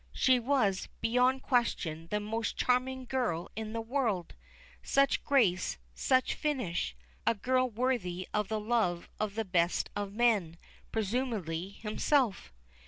She was, beyond question, the most charming girl in the world! Such grace such finish! A girl worthy of the love of the best of men presumably himself!